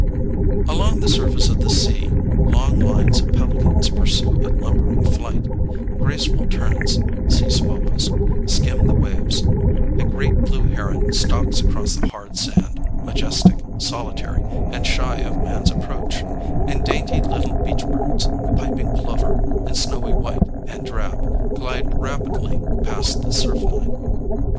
Along the surface of the sea long lines of pelicans pursue a lumbering flight; graceful terns (sea swallows) skim the waves; a great blue heron stalks across the hard sand, majestic, solitary and shy of man's approach; and dainty little beach birds, piping plover in snowy white and drab, glide rapidly past the surf line.